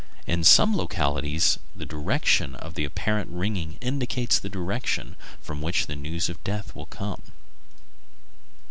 In some localities the direction of the apparent ringing indicates the direction from which the news of death will come.